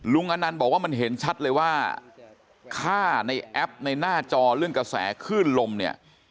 อนันต์บอกว่ามันเห็นชัดเลยว่าฆ่าในแอปในหน้าจอเรื่องกระแสคลื่นลมเนี่ย